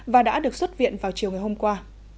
và đã được xuất viện vào chiều ngày hôm qua